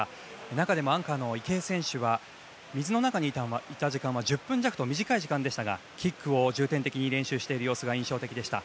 中でも、アンカーの池江選手は水の中にいた時間は１０分弱と短い時間でしたがキックを重点的に練習している様子が印象的でした。